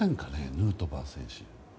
ヌートバー選手。